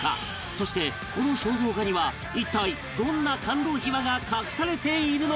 そしてこの肖像画には一体どんな感動秘話が隠されているのか？